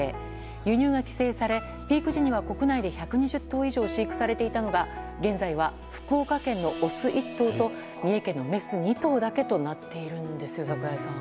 輸入が規制され、ピーク時には国内で１２０頭以上飼育されていたのが現在は、福岡県のオス１頭と三重県のメス２頭だけとなってるんですよ、櫻井さん。